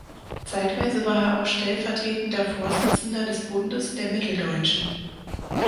Zeitweise war er auch stellvertretender Vorsitzender des Bundes der Mitteldeutschen.